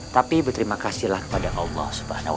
tapi berterima kasih kepada allah